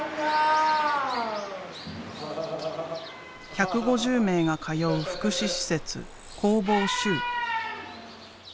１５０名が通う福祉施設「工房集」。